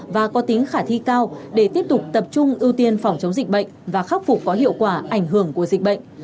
và có tính khả thi cao để tiếp tục tập trung ưu tiên phòng chống dịch bệnh và khắc phục có hiệu quả ảnh hưởng của dịch bệnh